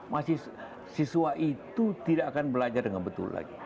masyarakat siswa itu tidak akan belajar dengan betul lagi